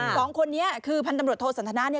๒คนนี้คือพันธ์ตำรวจโทรสันทนะเนี่ย